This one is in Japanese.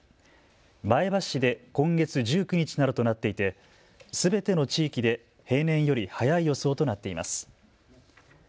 前橋市で今月１９日などとなっていてすべての地域で平年より早い予想となっています。